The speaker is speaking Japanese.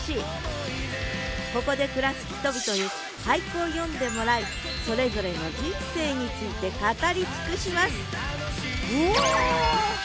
ここで暮らす人々に俳句を詠んでもらいそれぞれの人生について語り尽くしますうわ。